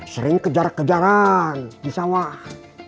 sering kejar kejaran di sawah